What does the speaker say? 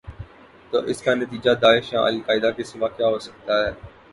تواس کا نتیجہ داعش یا القاعدہ کے سوا کیا ہو سکتا ہے؟